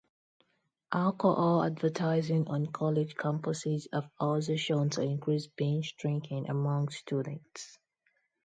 Alcohol advertising on college campuses have also shown to increase binge drinking among students.